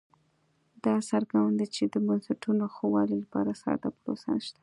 دا څرګندوي چې د بنسټونو ښه والي لپاره ساده پروسه نشته